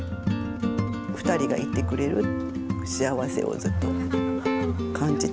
２人がいてくれる幸せをずっと感じて過ごしてました。